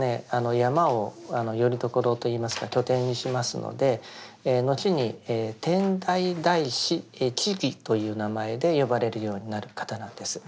山をよりどころといいますか拠点にしますのでのちに「天台大師智」という名前で呼ばれるようになる方なんです。